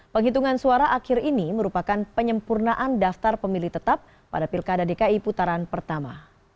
penghitungan suara akhir ini merupakan penyempurnaan daftar pemilih tetap pada pilkada dki putaran pertama